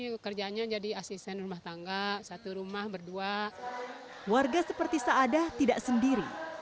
warga seperti saadah tidak sendiri